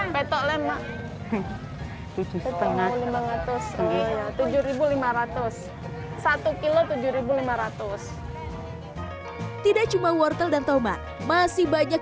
petok lemak tujuh lima ratus iya tujuh ribu lima ratus satu kilo tujuh ribu lima ratus tidak cuma wortel dan tomat masih banyak